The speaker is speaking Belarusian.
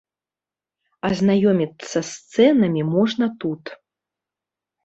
Азнаёміцца з цэнамі можна тут.